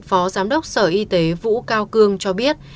phó giám đốc sở y tế vũ cao cương cho biết